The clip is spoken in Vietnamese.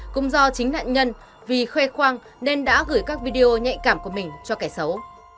cũng do chính nạn nhân vì khoe khoang nên đã gửi các video nhạy cảm của mình cho kẻ xấu